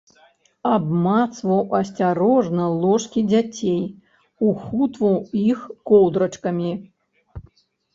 Абмацваў асцярожна ложкі дзяцей, ухутваў іх коўдрачкамі.